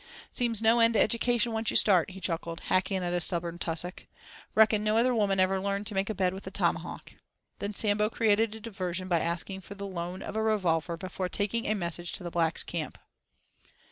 "Seems no end to education once you start," he chuckled, hacking at a stubborn tussock. "Reckon no other woman ever learned to make a bed with a tomahawk." Then Sambo created a diversion by asking for the loan of a revolver before taking a message to the blacks' camp.